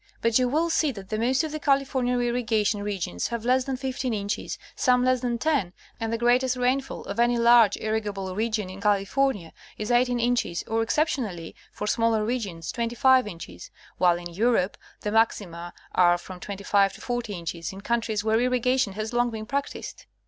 But you will see that the most of the Californian irrigation regions have less than 15 inches, some less than 10, and the greatest rain fall of any large irrigable region in California is 18 inches, or, exceptionally, for smaller regions, 25 inches ; while in Europe, the maxima are from 25 to 40 inches in countries where irriga tion has long been practiced.